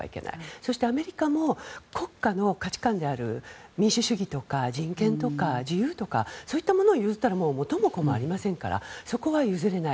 そしてアメリカも国家の価値観である民主主義とか人権とか自由とかそういったものを譲ったら元も子もありませんからそこは譲れない。